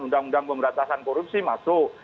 undang undang pemberantasan korupsi masuk